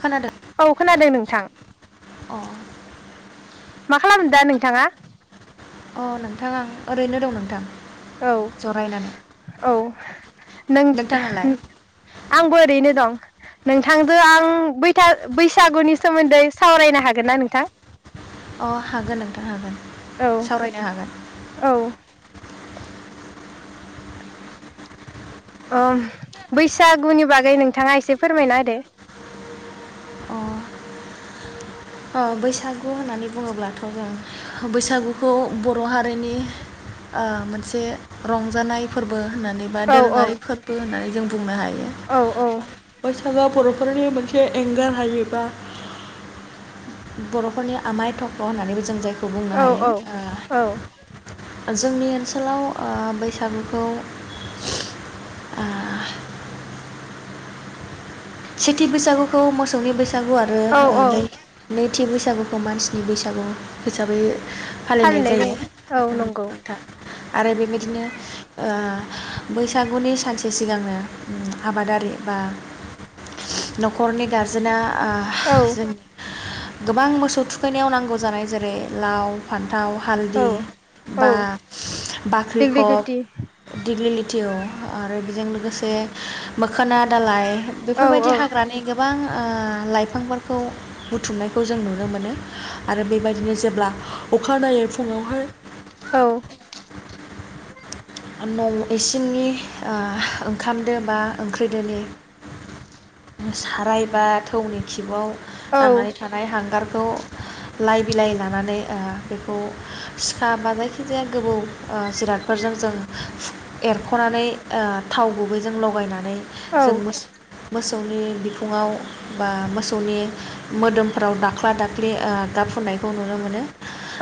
खोनादों औ खोनादों नोंथां अ। मा खालामदो दा नोंथाङा? अ नोंथां आं ओरैनो दं नोंथां। औ जरायनानै औ नों नोंथाङालाय आंबो ओरैनो दं। नोंथांजों आं बैथा बैसागुनि सोमोन्दै सावरायनो हागोन ना नोंथां? अ हागोन नोंथां हागोन औ सावरायनो हागोन औ। अ बैसागुनि बागै नोंथाङा एसे फोरमायना होदो। अ अ बैसागु होननानै बुङोब्लाथ जों बैसागुखौ बर हारिनि मोनसे रंजानाय फोरबो होननानै बा औ औ दोरोङारि फोरबो होननानै जों बुंनो हायो, औ [unintelligible] बरफोरनि मोनसे एंगार हायै बा बर'फोरनि आमाय थख्ल होननानैबो जों जायखौ [unintelligible] बुंनो हायो औ औ औ ओ। जोंनि ओनसोलाव ओ बैसागुखौ ओ सेथि बैसागुखौ मोसौनि बैस सागु आरो औ ओ औ नै-नैथि बैसागु मानसिनि बैसागु हिसाबै फालिनाय जायो नोंथां आरो बेबायदिनो ओ बैसागुनि सानसे सिगांनो आबादारि बा नखरनि गारजेना अ औ जोंनि गोबां मोसौ थुखैनायाव नांगौ जानाय जेरै लाव फान लाव औ हालदि औ बा दिग्लि गुथि बाख्रिखब दिग्लि लि फथिउ आरो बेजों लोगोसे मोखोना दालाइ औ बेफोरबायदि औ हाग्रानि गोबां ओ लाइफांफोरखौ बुथुमनायखौ जों नुनो मोनो आरो बेबायदिनो जेब्ला अखानायैै फुङावहाय औ। न' इसिंनि ओ ओंखाम दो बा ओंख्रि दोनि सारायबा थौनि खिबआव औ थांनानै थानाय हांगार। बेखौ लाइ बिलाइ लानानै बेखौ सिखा बा जायखिजाया गोबौ जिरादफोरजों जों ओ एरख'नानै ओ थाव गुबैजों लगायनानै औ जों मो मोसौनि बिखुङाव बा मोसौनि मोदोमफोराव दाख्ला दाख्लि गाब फुननायखौ नुनो मोनो।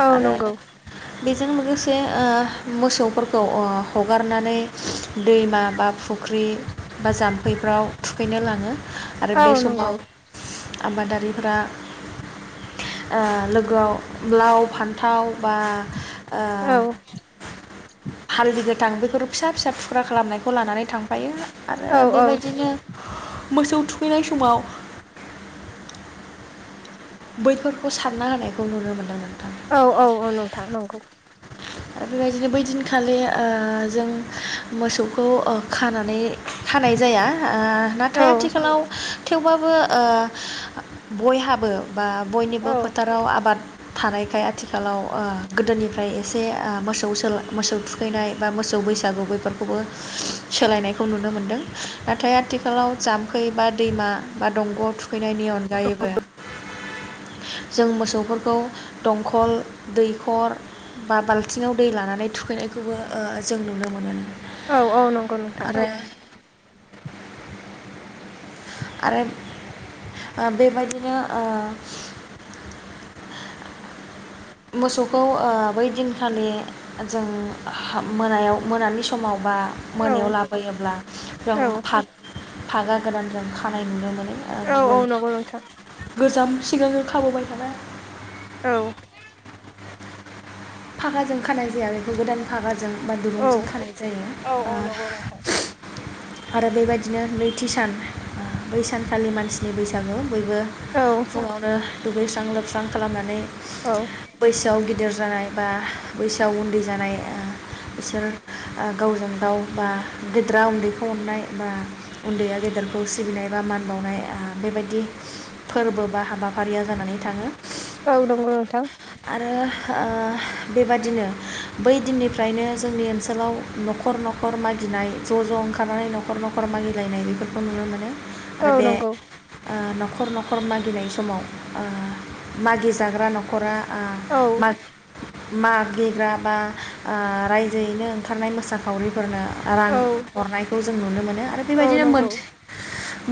औ आरो नंगौ। बेजों लोगोसे ओ मोसौफोरखौ अ हगारनानै दैमा बा फुख्रि बा जाम्फैफ्राव थुखैनो लाङो। आरो औ बे नंगौ समाव आबादारिफोरा लोगोआव लाव फान्थाव बा औ आ हाल बेफोर फिसा फिसा फुख्रा खालामनायखौ लानानै थांफायो। आरो औ औ बेबायदिनो मोसौ थुखैनाय समाव। बैफोरखौ सानना होनायखौ नुनो मोन्दोंमोन। औ औ औ नोंथां नंगौ। आरो बेबायदिनो बैदिनखालि ओ जों मोसौखौ खानानै। थानाय जाया औ नाथाय आथिखालाव थेवबाबो ओ बयहाबो। बा औ बयनिबो फोथाराव आबाद थानायखाय आथिखालाव ओ गोदोनि ओमफ्राय एसे मोसौ मोसौ थुखैनाय बा मोसौ बैसागु बेैफोरखौबो सोलायनायखौ नुनो मोनदों नाथाय आथिखालाव जाम्फै बा दैमा बा दंग' थुखैनायनि अनगायैबो जों मोसौफोरखौ दंखल दैखर। बा बाल्थिङाव दै लानानै थुखैनायखौबो जों नुनो मोनो। औ औ नंगौ नोंथां आरो आरो ओ बेबायदिनो ओ मोसौखौ ओ बै दिनखालि जों मोनायाव मोनानि समाव माबा औ मोनायाव लाबोयोब्ला जों औ फा-फागा गोदानजों। खानाय नुनो मोन औ औ गुबुन नंगौ नोंथां गोजाम सिगांनो खाबोबाय थानाय औ। फागाजों खानाय जाया बेखौ गोदान फागा जों बा औ दुरुंजों खानाय जायो औ ओ औ नंगौ नोंथां आरो बेबायदिनो नैथि सान ओ बै सानखालि मानसिनि बैसागु। बयबो औ फुङावनो दुगैस्रां लोबस्रां खालामनानै औ बैसोआव गिद गिदिर जानाय बा बैसोआव उन्दै जानाय ओ बिसोर ओ गावजों गाव बा गेदेरा उन्दैखौ अननाय बा उन्दैया गेदेरखौ सिबिनाय बा मान बावनाय ओ बेबायदि फोरबो बा हा हाबाफारिया जानानै थाङो औ नंगौ नोंथां आरो हो ओ बेबादिनो बै दिननिफ्रायनो जोंनि ओनसोलाव नखर नखर मागिनाय ज ज ओंखारनानै नखर नखर मागिलायनाय बेफोरखौ नुनो मोनो। औ नंगौ। ओ नखर नखर मागिनाय समाव ओ मागि जाग्रा नखरा आ औ मा मागिग्रा बा ओ रायजोयैनो ओंखारनाय मोसाखावरिफोरनो रां औ हरनायखौ जों नुनो मोनो आरो औ बेबायदिनो नंगौ मोनसे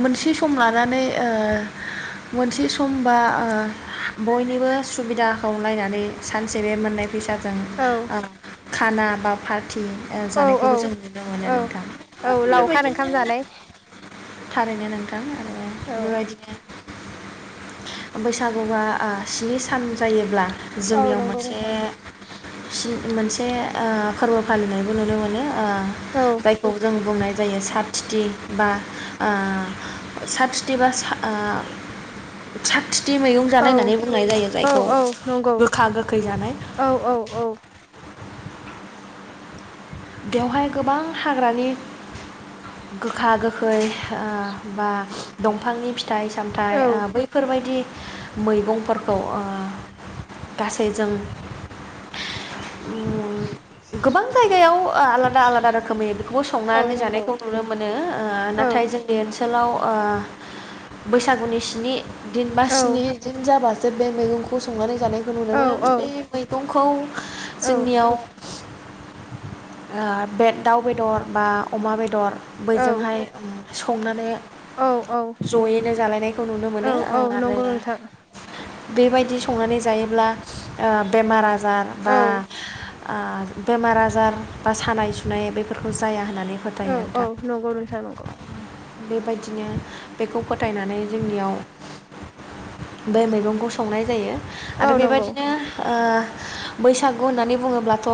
मोनसे सम लानानै ओ मोनसे सम बा ओ बयनिबो सुबिदाखौ नायनानै सान जे बे मोननाय फैसा जों औ ओ खाना बाफाद थि ओ औ औ जानायखौबो जों नुनो मोनो औ नोंथां औ लावखार ओंखाम बेबायदिनो जानाय थारैनो नोंथां आरो औ। बेबायदिनो बैसागुआ आं स्नि सान जायोब्ला जोंयाव मोन [unintelligible] मोनसे ओ फोरबो फालिनायबो नुनो मोनो। ओ औ जायखौ जों बुंनाय जायो साथथिथि बा ओ साथथिथि बा सा ओ साद थिथि मैगं औ जानाय होननानै बुंनाय जायो औ जायखौ औ नंगौ गोखा गोख औ औ औ। बेवहाय गोबां हाग्रानि गोखा गोखै ओ बा दंफांनि फि फिथाइ सामथाइ ओ बैफोरबायदि मैगंफोरखौ ओ गासै जों गोबां जायगायाव आलादा आलादा रोखोमै बेखौबो औ संनानै जानायखौ नंगौ नुनो मोनो औ नाथाय जोंनि ओनसो सोलाव ओ बैसागुनि स्नि दिनबा औ औ स्नि दिन जाबा बे मैगंखौ संनानै जानायखौ नुनो मोनो बे मैगं [inaudible] औ जोंनियाव बे दाउ बेदर बा अमा बेदर बैजोंहाय संनानै औ औ जयैनो जालायनायखौ नुनो औ मोनो ओ औ आरो नंगौ नोंथां बेबायदि संनानै जायोब्ला बेमार आजा औ [inaudible] ओ बेमार आजार बा सानाय सुनाय बेफोरखौ जाया होननानै फोथायो औ औ नोंथां नंगौ नोंथां नंगौ। बेबायदिनो बेखौ फोथायनानै जोंनियाव बे मैगंखौ संनाय जायो। औ आरो नंगौ बेबायदिनो ओ बैसागु होननानै बुङोब्लाथ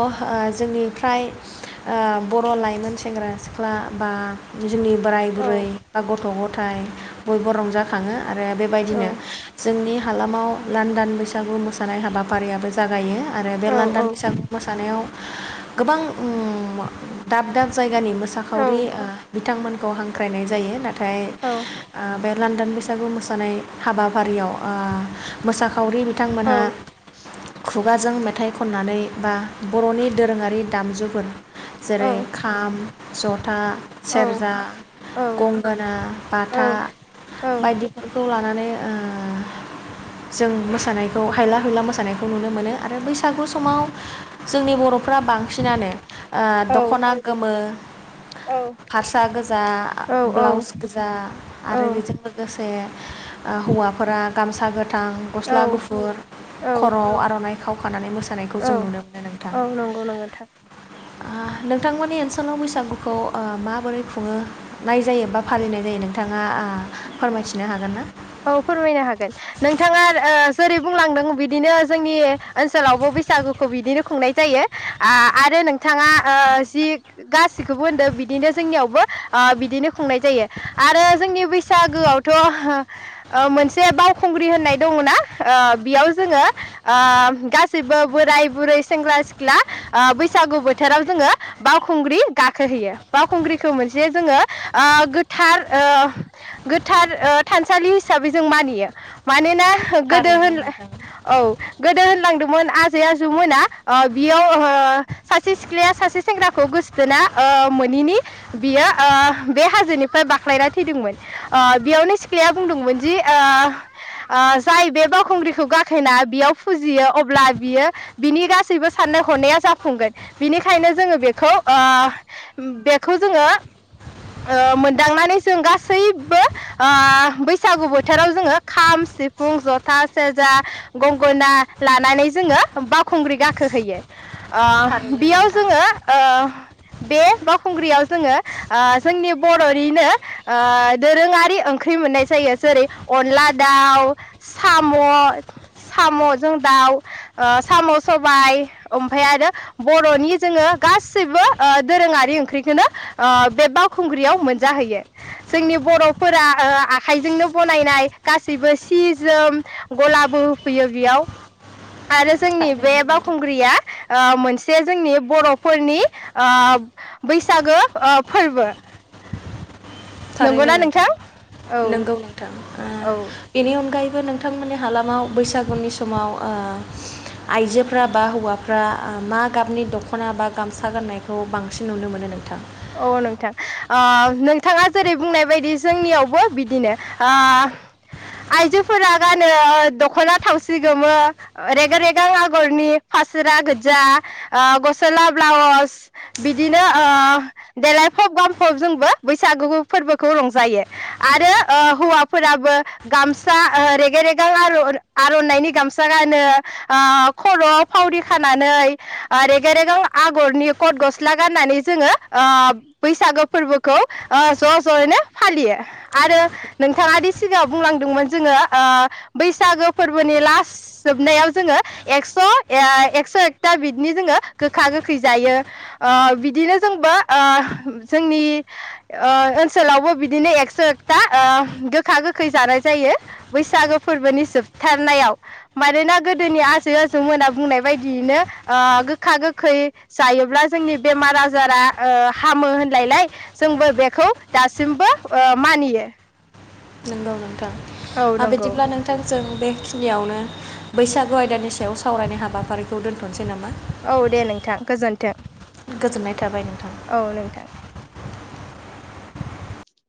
जोंनि फ्राय बर' लाइमोन सेंग्रा सिख्ला बा जोंनि बोराय औ बुरै बा गथ' ग नाथाय बयबो रंजाखाङो। आरो औ बेबायदिनो जोंनि हालामाव लान्दान बैसागु मोसानाय हाबाफारियाबो जागायो। आरो बे औ लान्दान बैसागु मोसानायाव गोबां दाब दाब जायगानि औ मोसाखावरि बिथांमोन खौ हांख्रायनाय जायो ना नाथाय ओ बे लान्दान बैसागु मोसानाय हाबाफारियाव ओ मोसा खावरि औ बिथांमोनहा खुगाजों मेथाइ खननानै बा बर'नि दोरोङारि दामजु फोर औ जेरै- खाम जथा औ सेरजा गंगोना औ बाथा बायदिफोरखौ लानानै ओ जों मोसानायखौ हायला हुला मोसानायखौ नुनो मोनो आरो बैसागु समाव जोंनि बर'फ्रा बांसिनानो ओ दखना गोमो ओ फास्रा गोजा ब्लाउस औ गोजा आरो बेजों लोगोसे ओ हौवाफोरा गामसा गो थां गस्ला गुफुर औ खरआव आरनाइ खावखानानै मोसा। औ औ नंगौ नंगौ नोंथां आं नोंथांमोननि ओन [inaudible] लाव बैसागुखौ ओ माबोरै खुंङो नाय जायो बा फालिनाय जायो नोंथांङा फोरमायथिनो हागोन ना? औ फोरमायनो हागोन नोंथांङा ओ जेरै- बुंलांदों बिदिनो जोंनि ओनसोलावबो बैसागोखौ बिदिनो खुंनाय जायो आ आरो नोंथांङा जि गासिखौबो होनदों बिदिनो जोंनियावबो ओ बिदिनो खुंनाय जायो आरो जोंनि बैसागोआवथ' ओ मोनसे बावखुंग्रि होननाय दंङना ओ बेयाव जोंङो ओ गासैबो बोराय बुरै सेंग्रा सिख्ला ओ बैसागु बोथोराव जोंङो बावखुंग्रि गाखोहैयो बावखुंग्रिखौ मोनसे जोंङो ओ गोथार ओ गोथार ओ थानसालि हिसाबै जों मानियो मानोना गोदो थारैनो होन नोंथां औ गोदो होनलांदोंमोन आजै आजौमोना बियाव ओ सासे सिख्लाया सासे सेंग्राखौ गोस्थोना ओ मोनैनि बियो ओ बे हाजोनिफ्राय बाख्लायना थैदोंमोन ओ बेयावनो सिख्लाया बुंदोंमोन दि ओ ओ जाय बे बावखुंग्रिखौ गाखोना बेयाव फुजियो अब्ला बियो बिनि गासैबो साननाय हनाया जाफुंगोन बिनिखायनो जोंङो बेखौ ओ बेखौ जोंङो ओ मोनदांनानै जों गासैबो ओ बैसागु बोथोराव जोंङो खाम सिफुं जथा सेरजा गंगना लानानै जोंङो बावखुंग्रि गाखोहैयो ओ थारैनो बेयाव नोंथां जोंङो ओ बे बावखुंग्रियाव जोंङो ओ जोंनि बर'निनो ओ दोरोंङारि ओंख्रि मोननाय जायो जेरै अनला दाउ साम' साम'जों दाउ साम' सबाय ओमफाय आरो बर'नि जोंङो गासैबो ओ दोरोंङारि ओंख्रिखौनो ओ बे बावखुंग्रियाव मोनजाहैयो जोंनि बर'फोरा खायजोंनो बनायनाय गासैबो सि जोम गलाबो होफैयो बेयाव आरो जोंनि बे थारैनो नोंथां बावखुंग्रिया ओ मोनसे जोंनि बर'फोरनि ओ बैसागो ओ फोरबो नंगौना नोंथां औ नोंगौ नोंथां ओ औ बिनि अनगायै बो नोंथांमोननि हालामाव बैसागुनि समाव ओ आइजोफ्रा बा हौवाफ्रा ओ मा गाबनि दख'ना बा गामसा गाननायखौ बांसिन नुनो मोनो नोंथां? औ नोंथां ओ नोंथांङा जेरै बुंनाय बायदि जोंनियावबो बिदिनो ओ आइजोफोरा गानो दखना थावसि गोमो रेगां रेगां आगरनि फासोरा गोजा गस्ला ब्लाउस बिदिनो ओ देलायफब गामफब जोंबो बैसागु फोरबोखौ रंजायो आरो ओ हौवाफोराबो गामसा रेगे रेगां आरर आरनाइनि गामसा गानो खरआव फावरि खानानै ओ रेगे रेगां आगरनि कथ गस्ला गाननानै जोंङो ओ बैसागो फोरबोखौ ओ ज' ज'यैनो फालियो आरो नोंथांङादि सिगांङाव बुंलांदोंमोन जोंङो ओ बैसागो फोरबोनि लास जोबनायाव जोंङो एक्स' ए एक्स' एकथा बिदिनि जोंङो गोखा गोखै जायो ओ बिदिनो जोंबो ओ जोंनि ओनसोलावबो बिदिनो एकस एकथा ओ गोखा गोखै जानाय जायो। बैसागो फोरबोनि जोबथारनायाव मानोना गोदोनि आजै आजौमोना बुंनाय बायदियैनो ओ गोखा गोखै जायोब्ला जोंनि बेमार आजारा ओ हामो होनलायलाय जोंबो बेखौ दासिमबो ओ मानियो नोंगौ नों थां औ आरो नंगौ बिदिब्ला नोंथां जों बे खिनियावनो बैसागु आयदानि सायाव सावरायनाय हाबाफारिखौ दोनथ'नोसै नामा? औ दे नोंथां गोजोन्थों। गोजोननाय थाबाय नोंथां औ नोंथां।